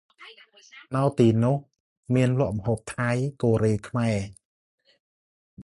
នៅទីនោះ មានលក់ម្ហូបថៃ កូរ៉េ ខ្មែរ។